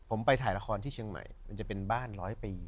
ผมไปถ่ายละครที่เชียงใหม่มันจะเป็นบ้านร้อยปี